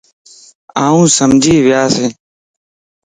آن سمجھي وياس